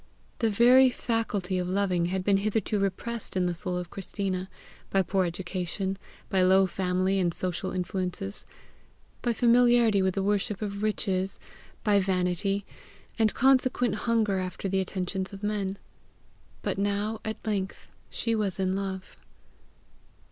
The very faculty of loving had been hitherto repressed in the soul of Christina by poor education, by low family and social influences, by familiarity with the worship of riches, by vanity, and consequent hunger after the attentions of men; but now at length she was in love.